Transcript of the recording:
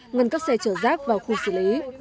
ngân các xe chở rác vào khu xử lý